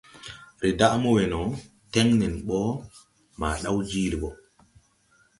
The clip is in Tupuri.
Rɛɛ daʼ mo wɛ no, tɛn nɛn bɔ ma daw jiili bɔ.